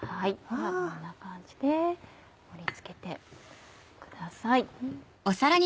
こんな感じで盛り付けてください。